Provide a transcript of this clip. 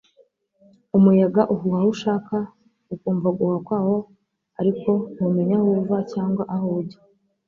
“Umuyaga uhuha aho ushaka, ukumva guhuha kwawo ariko ntumenya aho uva cyangwa aho ujya